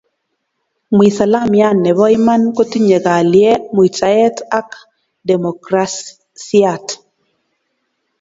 Mwisalamian ne bo iman kotinye kalyee, muitaet ak demokrasiait.